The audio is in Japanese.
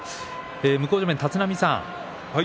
向正面の立浪さん